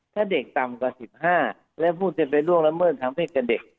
ถ้าเด็กต่ำกว่า๑๕และผู้จะไปล่วงละเมิดทางเพศกับเด็ก